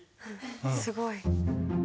すごい。